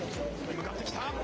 向かってきた。